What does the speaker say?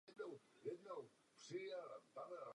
Jako hráč hrál na postu záložníka a vystřídal řadu klubů.